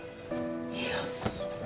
いやそれ。